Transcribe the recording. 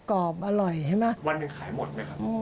กรอบอร่อยใช่ไหมวันหนึ่งขายหมดไหมครับ